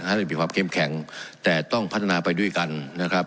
ให้ได้มีความเข้มแข็งแต่ต้องพัฒนาไปด้วยกันนะครับ